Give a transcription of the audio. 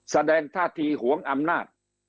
แสดงท่าทีหวงอำนาจ